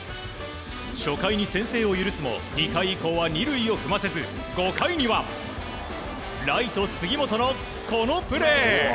初回に先制を許すも２回以降は２塁を踏ませず５回にはライト、杉本のこのプレー。